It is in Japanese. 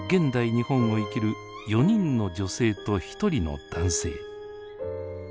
日本を生きる４人の女性と１人の男性。